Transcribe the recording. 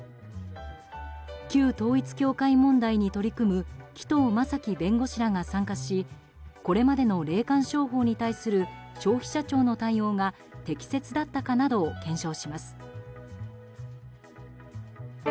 旧統一教会問題に取り組む紀藤正樹弁護士らが参加しこれまでの霊感商法に対する消費者庁の対応が適切だったかなどを検証します。